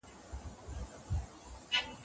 د حقونو رعایت کول په هر چا لازم دي.